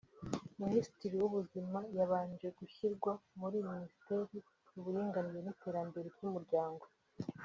Minisitiri w’Ubuzima yabanje gushyirwa muri Minisiteri y’Uburinganire n’Iterambere ry’Umuryango